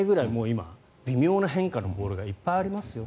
今、微妙な変化のボールがいっぱいありますよと。